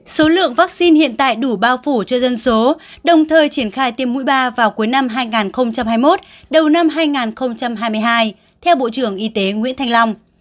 số lượng vaccine hiện tại đủ bao phủ cho dân số đồng thời triển khai tiêm mũi ba vào cuối năm hai nghìn hai mươi một đầu năm hai nghìn hai mươi hai theo bộ trưởng y tế nguyễn thanh long